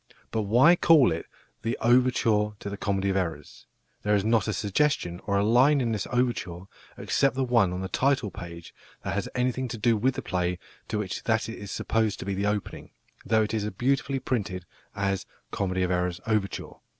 But why call it the "Overture to The Comedy of Errors"? There is not a suggestion or a line in this overture, except the one on the title page, that has anything to do with the play to which that is supposed to be the opening, though it is beautifully printed as "Comedy of Errors Overture."